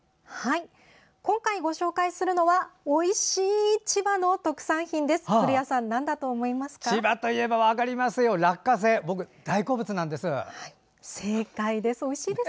今回ご紹介するのはおいしい千葉の特産品です。